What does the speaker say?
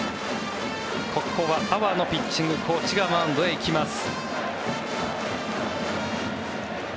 ここは阿波野ピッチングコーチがマウンドに行きます。